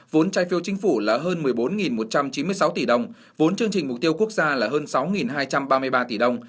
vốn trai phiêu chính phủ là hơn một mươi bốn một trăm chín mươi sáu tỷ đồng vốn chương trình mục tiêu quốc gia là hơn sáu hai trăm ba mươi ba tỷ đồng